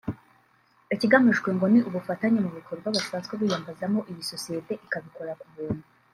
ikigamijwe ngo ni ubufatanye mu bikorwa basanzwe biyambazamo iyi sosiyete ikabikora ku buntu